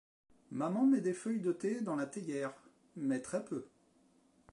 Maman met des feuilles de thé dans la théière, mais très peu.